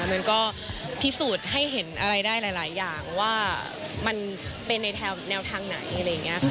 มันก็พิสูจน์ให้เห็นอะไรได้หลายอย่างว่ามันเป็นในแนวทางไหนอะไรอย่างนี้ค่ะ